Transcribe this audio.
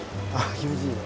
気持ちいいね。